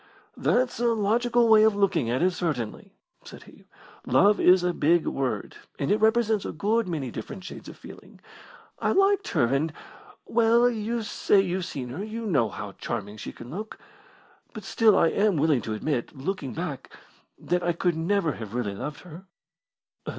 "That's a logical way of looking at it, certainly," said he. "Love is a big word, and it represents a good many different shades of feeling. I liked her, and well, you say you've seen her you know how charming she can look. But still I am willing to admit, looking back, that I could never have really loved her."